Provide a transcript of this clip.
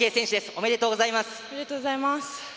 おめでとうございます。